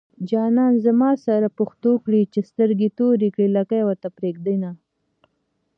جانان زما سره پښتو کړي چې سترګې توري کړي لکۍ ورته پرېږدينه